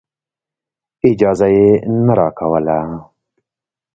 اجازه یې نه راکوله.